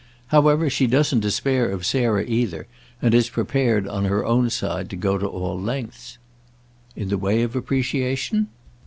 However, she doesn't despair of Sarah either, and is prepared, on her own side, to go all lengths." "In the way of appreciation?"